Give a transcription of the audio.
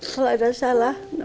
kalau ada salah sama kami